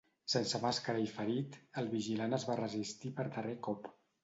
Sense màscara i ferit, el vigilant es va resistir per darrer cop.